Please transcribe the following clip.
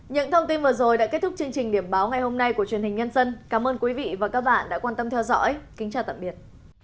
những thông tin vừa rồi đã kết thúc chương trình điểm báo ngày hôm nay của truyền hình nhân dân cảm ơn quý vị và các bạn đã quan tâm theo dõi kính chào tạm biệt